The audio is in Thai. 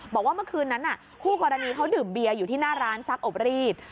บอกว่าเมื่อคืนนั้นคู่กรณีเขาดื่มเบียร์อยู่ที่หน้าร้านซักอบรีด